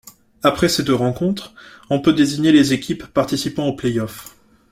Après ces deux rencontres, on peut désigner les équipes participant aux playoffs.